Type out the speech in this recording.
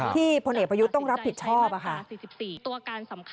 พลเอกประยุทธ์ต้องรับผิดชอบ